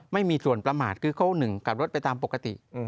ไม่มีส่วนประมาทคือเขาหนึ่งขับรถไปตามปกติ